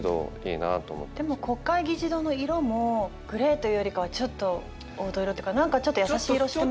でも国会議事堂の色もグレーというよりかはちょっと黄土色っていうか何かちょっと優しい色してますよね。